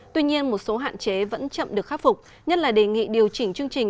tuy nhiên một số hạn chế vẫn chậm được khắc phục nhất là đề nghị điều chỉnh chương trình